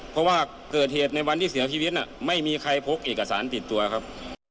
เพราะว่าเกิดเหตุในวันที่เสียชีวิตไม่มีใครพกเอกสารติดตัวครับ